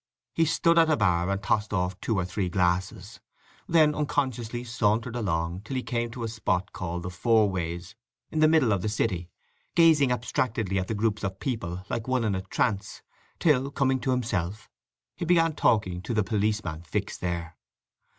He stood at a bar and tossed off two or three glasses, then unconsciously sauntered along till he came to a spot called The Fourways in the middle of the city, gazing abstractedly at the groups of people like one in a trance, till, coming to himself, he began talking to the policeman fixed there.